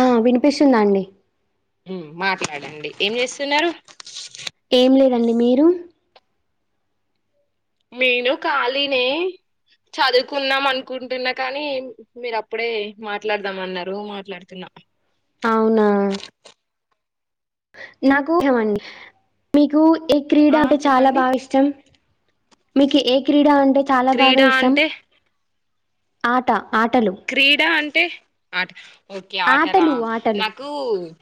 ఆ వినిపిస్తుందాఅండి మాట్లాడండి ఏం చేస్తున్నారు ఏం లేదండి మీరు నేను కాళి నే చదువుకుందం అనుకుంటున్నా కానీ మీరు అప్పుడే మాట్లాడదామ న్నారు మాట్లాడుతున్నా అవునా నాకు [unintelligible] మీకు ఏ క్రీడ ఆ అంటే చాలా చెప్పండి బాగా ఇష్టం మీకు ఏ క్రీడా అంటే చాలా క్రీడ బాగా ఇష్టం అంటే ఆట ఆటలు క్రీడా అంటే ఆట ఓకే ఆటలా ఆటలు ఆటలు నాకు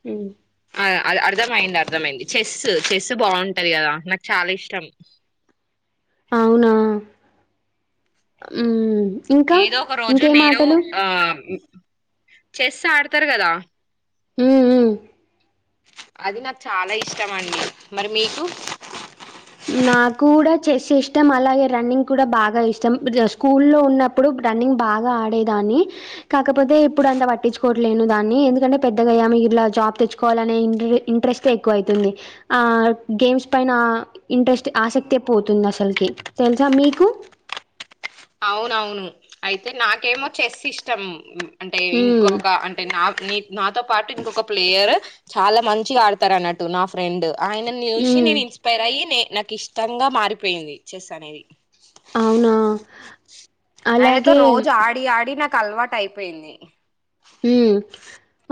హ్మ్. ఆ అ అర్థమయింది అర్థమయింది చెస్ చెస్ బాగుంటది కదా నాకు చాలా ఇష్టం అవునా హ్మ్ ఇంకా ఏదో ఒక రోజు ఇంకేం నేను ఆటలు? ఆ చెస్ ఆడతారు కదా హ్మ్ హ్మ్ అది నాకు చాలా ఇష్టం అండి మరి మీకు నాకు కూడా చెస్ ఇష్టం అలాగే రన్నింగ్ కూడా బాగా ఇష్టం స్కూల్ లో ఉన్నప్పుడు రన్నింగ్ బాగా ఆడేదాన్ని న్ని కాకపోతే ఇప్పుడు అంత పట్టించుకోవట్లేను దాన్ని ఎందుకంటే పెద్దగాయ్యాం మిలా జాబ్ తెచ్చుకోవాలినే ఇన్ ఇంట్రెస్టే ఎక్కువ అయితుంది ఆ గేమ్స్ పైన ఇంట్రెస్ట్ ఆసక్తే పోతుంది అసలకి తెలుసా మీకు అవునవును అయితే నాకేమో చెస్ ఇష్టం అంటే మ్మ్ ఇంకొక అంటే నా నీ నాతో పాటు ఇంకొక ప్లేయర్ చాలా మంచిగా ఆడతారు అన్నట్టు నా ఫ్రెండ్. ఆయన చూసి మ్మ్ ఇన్స్పైర్ అయ్యి నే నాకు ఇష్టంగా మారిపోయింది చెస్ అనేది. అవునా ఆయనతో అలాగే రోజు ఆడి ఆడి నాకు అలవాటు అయిపోయింది.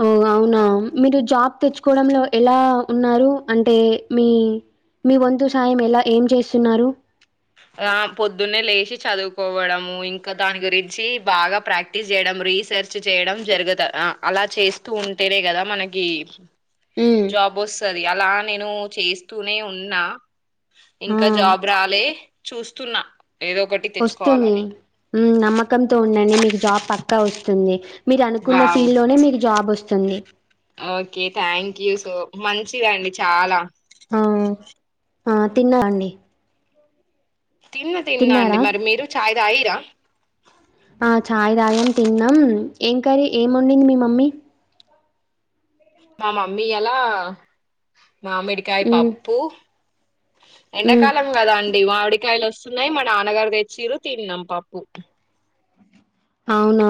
ఉమ్ అవునా మీరు జాబ్ తెచ్చుకోవడంలో ఎలా. ఉన్నారు అంటే మీ మీ వంతు సాయం ఎలా ఏం చేస్తున్నారు. ఆ పొద్దున్నే లేచి చదువుకోవడము ఇంకా దాని గురించి బాగా ప్రాక్టీస్ చేయడం. రీసెర్చ్ చేయడం జరుగుత అలా చేస్తూ ఉంటేనే కదా మనకి. ఉమ్ జాబ్ వస్తది అలా నేను చేస్తూనే ఉన్నా. ఆ ఇంకా జాబ్ రాలే చూస్తున్నా. ఏదో ఒకటి వస్తుంది తెచ్చుకోవాలని నమ్మకంతో ఉండండి మీకు జాబ్ పక్కా వస్తుంది. మీరు అనుకున్న వావ్ ఫీల్డ్ లోనే మీకు జాబ్ వస్తుంది. ఓకే థ్యాంక్ యూ సో మంచిదండి చాలా. అ ఆ తినరండి. జున్ను తిన్నా అండి మరి మీరు చాయ్ తాగిర్రా. ఆ చాయ్ తాగం అ తిన్నాం ఏం కరీ ఏముండింది మీ మమ్మీ. మా మమ్మీ ఈయాల మామిడికాయ ఉమ్ పప్పు. ఉమ్ ఎండకాలం కదా అండి మా అవిడి. కాయలు వస్తున్నాయి మా నాన్నగారు తెచ్చిరు తిన్నాం పప్పు. అవునా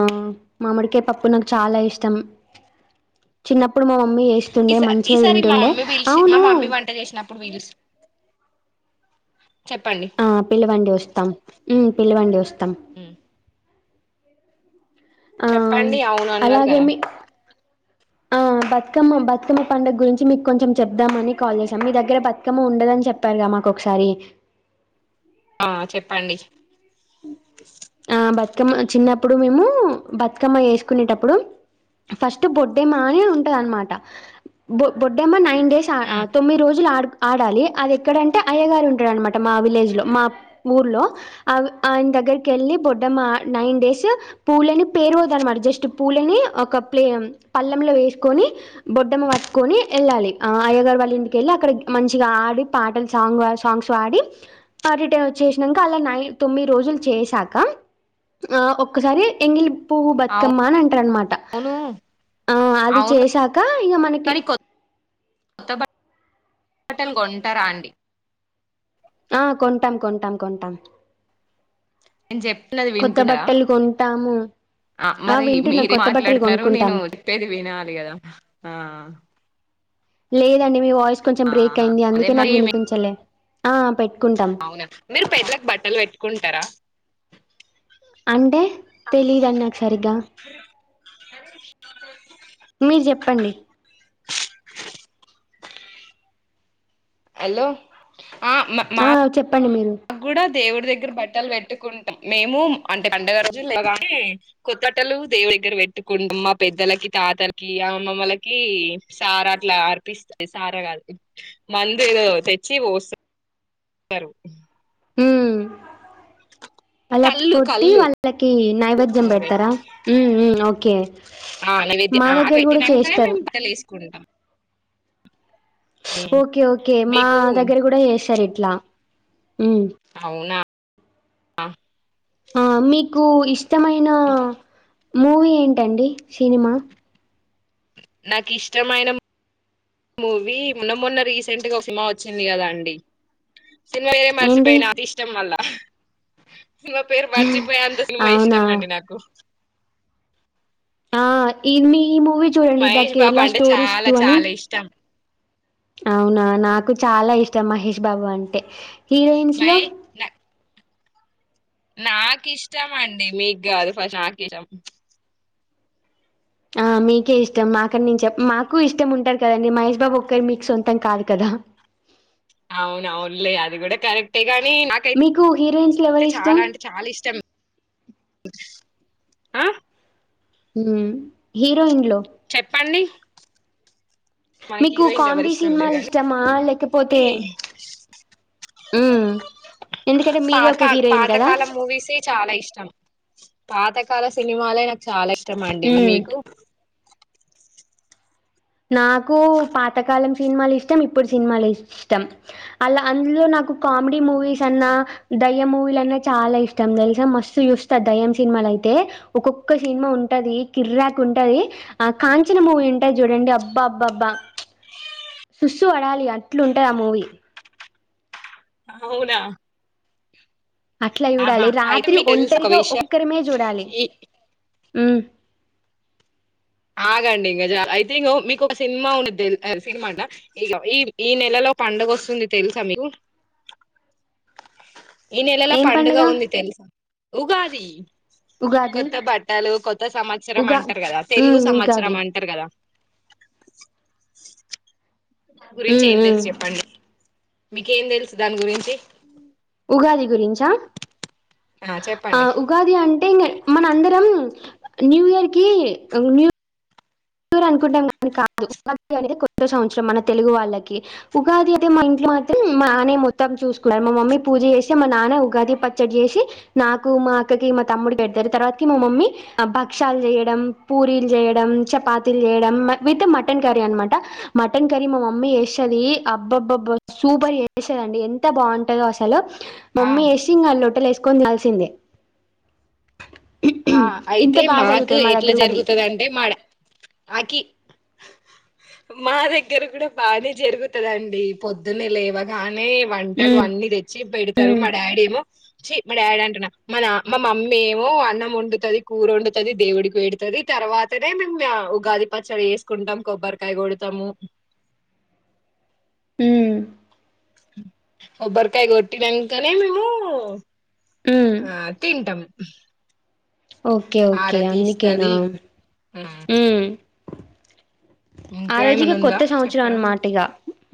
మామడికే పప్పు నాకు చాలా ఇష్టం చిన్నప్పుడు మా మమ్మీ. మమ్మీ చెస్తుండే ఈసా మంచిగా ఈసారి తింటుండే అవును. ఇప్పుడు. ఆ పిల్లవండి వస్తాం. ఉమ్ పిల్లివండి వస్తాం. ఉమ్, ఆ అవును చెప్పండి అన్నారు అలాగే కదా మీ అ. బతుకమ్మ బతుకమ్మ పండగ గురించి మీకు కొంచెం చెప్దామని కాల్ చేసాం మీ దగ్గర బతుకమ్మ ఉండదని చెప్పారుగాదా. మాకు ఒకసారి. ఆ చెప్పండి. ఆ బతుకమ్మ చిన్నప్పుడు మేము బతుకమ్మ వేసుకునేటప్పుడు. ఫస్ట్ బొడ్డెమ్మ అనే ఉంటది అనమాట బొ బొడ్డెమ్మ నైన్. డేస్ తొమ్మిది రోజులు ఆ. ఆడాలి అది ఎక్కడంటే అయ్యగారు ఉంటాడునమాట మా విలేజ్ లో మా ఊర్లో ఆ. ఆయన దగ్గరికి వెళ్ళి బొడ్డ మా నైన్ డేస్ పూలని పేరువదు అనమాట జస్ట్ పూలని ఒక. ప్లే పల్లెంలో వేసుకొని బొడ్డమ్మ పట్టుకొని వెళ్ళాలి అయ్యగారు వాళ్ళ ఇంటికెళ్ళి అక్కడ. మంచిగా ఆడి పాటలు సాంగ్ సాంగ్స్ ఆడి అ రిటైన్ వచ్చేసినాక అలా నై. తొమ్మిది రోజులు చేసాక ఆ ఒక్కసారి ఎంగిలి. పువ్వు బతుకమ్మ అని అంటారు అనమాట. అవును ఆ అది అవును చేసాక ఇగ మనకి. కానీ కొత్త కొత్త బటల్ కొంటరాండి. ఆ కొంటాం కొంటాం కొంటాం. నేను చెప్పినది కొత్త వింటున్నార. బట్టలు కొంటాము ఆ మరి వింటున్నా మీర కొత్త బట్టలు మాట్లాడుతున్నారు నేను కొనుక్కుంటాం తిప్పేది వినాలి కదా ఆ. లేదండి మీ వాయిస్ కొంచెం బ్రేక్ ఆహా అయింది అదే అందుకే నాకు మరి మీ- వినిపించలే ఆ పెట్. అవునా మీరు పెర్లకు బట్టలు పెట్టుకుంటారా. అంటే తెలీదండి నాకు సరిగ్గా. మీరు చెప్పండి హలో ఆ మా మ. ఆ చెప్పండి మీరు నా కూడా దేవుడి దగ్గర బట్టలు పెట్టుకుంట. మేము అంటే పండగ రోజులు కొత్తటలు దేవుడి దగ్గర పెట్టుకుంటా మా పెద్దలకి. తాతలకి ఆ అమ్మమ్మలకి సారా అట్లా అర్పిస్తాయి సారా కా మందు. తెచ్చి పోస్తస్తారు. హామ్. వాళ్ళ కళ్ళు పొట్టి కళ్ళు వాళ్ళకి నైవేద్యం కరెక్ట్ పెడతారా ఉ ఉ అవు కే ఆ నైవద అ పెట్టినంకనే మేము లేసుకుంటాం ఓకే ఓకే మా మీకు దగ్గర కూడా చేసారు ఇట్లా ఉ అవునా అ ఆ మీకు ఇష్టమైన ఇంకా మూవీ ఏంటండి సినిమా నాకు ఇష్టమైన మూవీ మొన్న మొన్న రీసెంట్గా ఒక సినిమా వచ్చింది కదా అండి సినిమాయే ఏంటి మర్చిపోయినా అది ఇష్టం వల్ల సినిమా పేరు మార్చిపోయంత సినిమా అవునా ఇష్టమండి నాకు ఆ ఇ మీ ఈ మూవి చూడండి ఇ మహేష్ బాబు కేరళ అంటే చాలా స్టోరీస్టు అని చాలా ఇష్టం. అవునా నాకు చాలా ఇష్టం మహేష్ బాబు అంటే హీరోయిన్స్ లో నాకిష్టం అండి మీకు కాదు ఫస్ట్ నాకు ఇష్టం ఆ మీకే ఇష్టం మాకని నేను చెప్ మాకు ఇష్టం ఉంటారు కదండి మహేష్ బాబు ఒక్కరి మీకు సొంతం కాదు కదా అవునవునులే అది కూడా కరెక్టే కాని నాకైతే మీకు హీరోయిన్స్ లో అయితే ఎవరు ఇష్టం చాలా అంటే చాలా ఇష్టం ఆ ఉ హీరోయిన్ లో చెప్పండి మనకి మీకు హీరోయిన్లు ఎవరు కామెడీ ఇష్టం లేరు సినిమాలు ఇష్టమా లేకపోతే కానీ ఉ పాతకాల పాతకాల మూవీసే చాలా ఇష్టం పాతకాల సినిమాలే నాకు చాలా ఇష్టం అండి మీకు నాకు పాతకాలం సినిమాలు ఇష్టం ఇప్పుడు సినిమా ఇష్టం అ అందులో నాకు కామెడి మూవీస్ అన్నా ధై ఏ మూవీలన్న చాలా ఇష్టం తెలుసా మస్తు చూస్త దెయ్యం సినిమాలు అయితే ఒక్కొక్క సినిమా ఉంటది కిర్రాక్ ఉంటది ఆ కాంచనా మూవీ ఉంటది చూడండి అప్ అబ్బా అబ్బా అబ్బా సుసు పడాలి అట్లు ఉంటాది ఆ మూవీ అవునా అట్లా ఆహా చూడాలి అయితే రాత్రి మీకు తెలుసు ఒక ఒంటరిగా విషయం ఒక్కరిమే చూడాలి ఈ ఉ ఆగండి ఇంకా జ మీకు ఒక సినిమా ఉంది సినిమా అంట ఇ ఈ ఈ నెలలో పండుగ వస్తుంది తెలుసా మీకు ఈ నెలలో పండుగ ఉంది తెలుసా ఉగాది ఉగాది కొత్త బట్టలు కొత్త సంవత్సరం ఉగా అంటారు కదా తెలుగు ఉమ్ ఉగాది సంవత్సరం అంటారు కదా గురించి ఉమ్ ఏం ఉమ్ తెలుసు చెప్పండి మీకేం తెలుసు దాని గురించి ఉగాది గురించా ఆ ఉగాది అంటే ఇ మనందరం న్యూ ఇయర్ కి న్యూ అనుకుంటాం కానీ కాదు ఉగాది అనేది కొత్త సంవత్సరం మన తెలుగు వాళ్ళకి ఉగాది అయితే మా ఇంట్లో మొత్తం మా నాన్న మొత్తం చూసుకునేది మా మమ్మీ పూజ చేసి మా నాన్న ఉగాది పచ్చడి చేసి నాకు మా అక్కకి మా తమ్ముడు పెడతారు తర్వాత మా మమ్మీ ఆ భక్షాలు చేయడం పూరీలు చేయడం చపా తీ చేయడం మటన్ కర్రీ అనమాట మటన్ కర్రీ మా మమ్మీ చేస్తది అబ్బబ్బ సూ ఊపర్ చేపిస్తదండి ఎంత బాగుంటదో అసలు ఆ మమ్మీ చేసి ఇంగ లొట్టలు ఏసుకొని తినాల్సిందే ఆ ఇంత అయితే బాగా మాకు జరుగుతుంది మా ఎట్లా దగ్గర అది జరుగుతది అంటే మాడ మాకి మా దగ్గర కూడా బానే జరుగుతదండి పొద్దున్న లేవగా నే వంటలు అన్నీ తెచ్చి పెడతారు మా డాడీ ఏమో చీ మా డాడీ అంటున్నా మన మా మమ్మీ ఏమో అన్నం వండుతది కూర వండుతది దేవుడికి పెడుతది తర్వాతనే మేము ఉగాది పచ్చడి చేసుకుంటం కొబ్బరి కొబ్బరి కాయ కొడతము మ్ కొబ్బరికాయ కొట్టినాంకనే మేము హ్మ్. ఆ తింటాం ఓకే ఓకే హారతి అందుకేనా ఇస్తది మ్ ఆ ఇంకా రోజు ఇగ ఏమన్నా ఉందా కొత్త సంవత్సరం చెప్పడం అనమాట ఇగ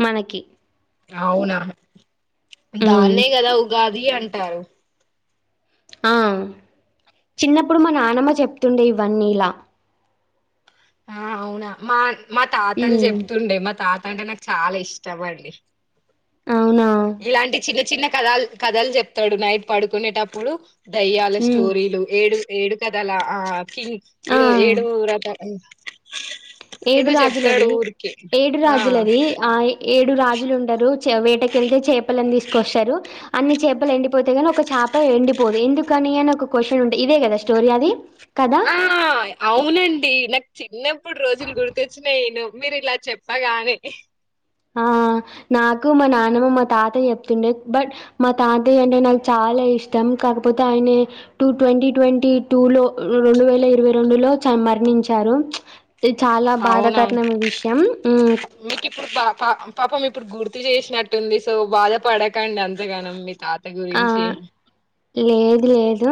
మనకి అవునా హ్మ్. దాన్నే కదా ఉగాది అంటారు ఆ చిన్నప్పుడు మా నానమ్మ చెప్తుండే ఇవన్నీ ఇలా ఆ అవునా మా మా తాతలు హ్మ్. చెప్తుండే మా తాత అంటే నాకు చాలా ఇష్టమండి అవునా? ఇలాంటి చిన్న చిన్న కథాలు కథల్ చెప్తాడు నైట్ పడుకునేటప్పుడు దయ్యాల హ్మ్. స్టోరీలు ఏడు ఏడు కథల ఆ కింగ్ ఆ! ఏదో ఏడు రథ [inaudible] ఏడు ఏదో చెప్తాడు రాజులది ఊరికే ఏడు ఆ రాజులది ఆ ఏడు రాజులు ఉంటరు చే వేట కెళ్తే చేపలని తీసుకొస్తారు అన్ని చేపలెండి పోతాయి గానీ ఒక చేప ఎండిపోదు ఎందుకని అని ఒక క్వశ్చన్ ఉండే ఇదే కదా స్టోరీ అది కదా? ఆ అవునండి నాక్ చిన్నప్పుడు రోజులు గుర్తొచ్చినయ్ ఎన్నో మీరు ఇలా చెప్పగానే ఆ నాకు మా నాన్నమ్మ మా తాతయ్య చెప్తుండే బట్ మా తాతయ్య అంటే నాకు చాలా ఇష్టం కాకపోతే ఆయనే టూ ట్వంటీ ట్వంటీ టూ లో రెండు వేల ఇరవై రెండు లో చ మరణించి చారు ఇది చాలా అవునవును బాధకరనమ విషయం మ్ మీకు ఇప్పుడు పా పా పాపం ఇప్పుడు గుర్తు చేసినట్టుంది సో బాధ పడకండి అంత గనం మీర్ ఆ లేదు లేదు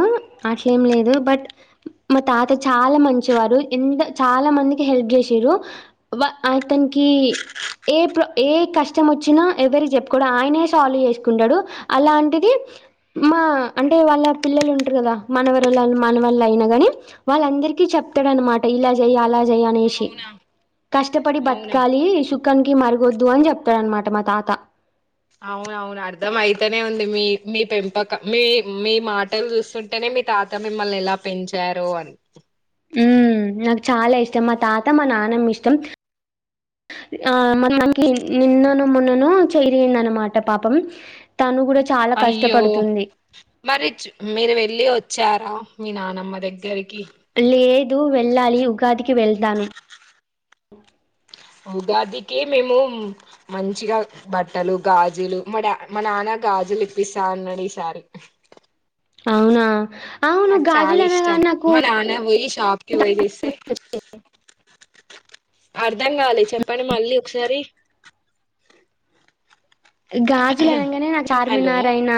అట్లేం లేదు బట్ మా తాత చాలా మంచివారు ఎంత చాలా మందికి హెల్ప్ జే సిరు వ అతనికి ఏ ప్ర ఏ కష్టం వచ్చినా ఎవరికి చెప్పుకోడు ఆయనే సాల్వ్ చేసుకుంటాడు అలాంటి ది మా అంటే వాళ్ళ పిల్లలు ఉంటారు కదా మనవరాళ్లు మనవళ్ళయినా గాని వాళ్ళందరికీ చెప్ ప్తాడు అనమాట ఇలా జెయ్యాల జేయ్ అనేసి అవునా కష్టపడి అవునా బతకాలి సుఖం కి మరగొద్దు అని చెప్తాడనమా ట మా తాత అవునవును అర్ధం అయితనే ఉంది మీ మీ పెంపకం మీ మీ మాటలు చూస్తుంటేనే మీ తాత మిమ్మల్ని ఎలా పెంచారో అని మ్ నాకు చాలా ఇష్టం మా తాత మా నానమ్మ ఇష్టం ఆ మా నాన్నమ్మ కి నిన్ననో మొన్ననో చెయ్యిరిగిందనమాట పాపం తను కూడా చాలా అయ్యో కష్టపడుతుంది మరి చు మీరు వెళ్ళి వ వచ్చారా మీ నానమ్మ దగ్గరికి లేదు వెళ్ళాలి ఉగాదికి వెళ్తాను ఉగాదికే మేము మంచిగా బట్టలు గాజులు మా డా మా నాన్న గా జులు లిప్పిస్తా అన్నడు ఈ సారి అవునా అవును నాకు చాలా గాజులు ఇష్టం అనగానే నాకు మా నాన్న ఒయి షాప్కి ఓయి తెస్తే అర్ధం గాలే చెప్పండి మళ్ళీ ఒకసారి గాజులు అనంగానే నా హలో చార్మినార్ అయినా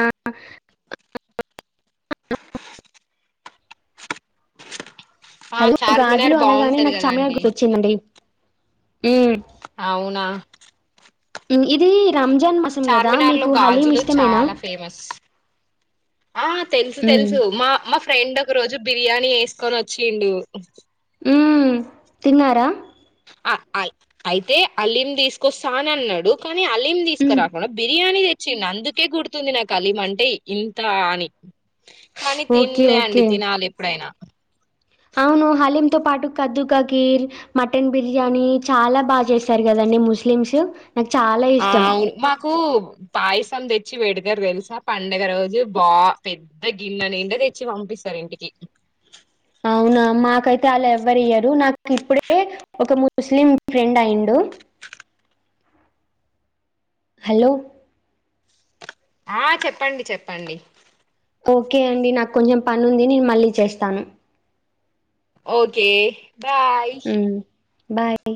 ఆ హలో చార్మినార్ గాజులు అనగానే బాగుంటది నాకు కదా చామినర్ అండి గుర్తొచ్చిందండి అవునా ఇది రంజాన్ మాసం కదా చార్మినార్ లో మీకు హలీం గాజులు ఇష్టమేనా చాలా ఫేమస్ ఆ తెల్సు ఉమ్ తెల్సు మా మ ఫ్రెండ్ ఒక రోజు బిర్యానీ జేసుకోనొచ్చిండు మ్మ్ తిన్నారా అయితే అలీం తీసుకొస్తా అనన్నాడు అలీం తీసుకో ఉమ్ రాకుండా బిర్యానీ చిన్ అందుకే గుర్తుంది నాక్ అలీం అంటే ఇంత అని కానీ ఓకే తిన్లే అండి ఓకే తినాలి ఎప్పుడైనా అవును హలీమ్ తో పాటు కద్దు కా ఖీర్ మటన్ బిర్యానీ చాలా బా చేశారు గదా ముస్లింస్ అ అవున్ మాకు బాయిస్ తెచ్చి పెడతరు తెలుసా పండుగ రోజు బా పెద్ద గిన్నె నిండా తెచ్చి పంపిస్తారు ఇంటికి అవునా మాకైతే అలా ఎవ్వరియ్యరు నాకు ఇప్పుడే ఒక ముస్లిం ఫ్రెండ్ అయిండు ఉ హలో ఆ చెప్పండి చెప్పండి ఓకే అండి నాకు కొంచెం పని ఉంది నేను మళ్ళీ చేస్తాను ఓకే బాయ్ ఉమ్ బాయ్